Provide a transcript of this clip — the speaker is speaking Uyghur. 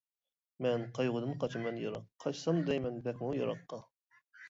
مەن قايغۇدىن قاچىمەن يىراق قاچسام دەيمەن بەكمۇ يىراققا.